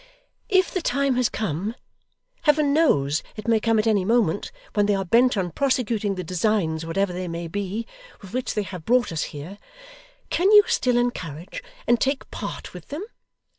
'If the time has come Heaven knows it may come at any moment when they are bent on prosecuting the designs, whatever they may be, with which they have brought us here, can you still encourage, and take part with them?